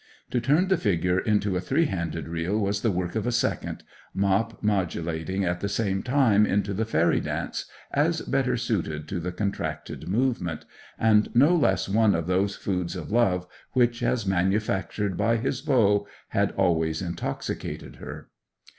To turn the figure into a three handed reel was the work of a second, Mop modulating at the same time into 'The Fairy Dance,' as better suited to the contracted movement, and no less one of those foods of love which, as manufactured by his bow, had always intoxicated her.